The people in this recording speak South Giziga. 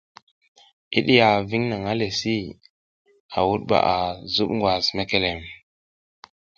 A diya ving nang le asi a wuɗ ɓa a zuɓ ngwas mekelem.